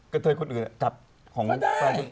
กะเทยจับหลีก็ได้